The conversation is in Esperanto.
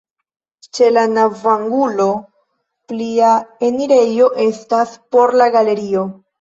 Ĉe la navoangulo plia enirejo estas por la galerio.